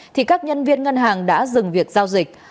thì các nhân viên ngân hàng đã dừng việc giao dịch